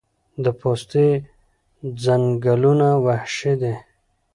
د پستې ځنګلونه وحشي دي؟